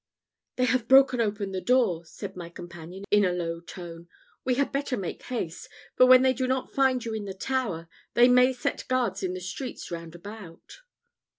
"They have broken open the door," said my companion in a low tone. "We had better make haste; for when they do not find you in the tower, they may set guards in the streets round about."